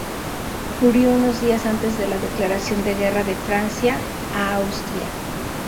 Murió unos días antes de la declaración de guerra de Francia a Austria.